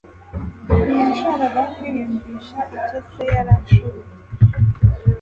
Ntiyashakaga kwiyumvisha icyo se yari ashoboye.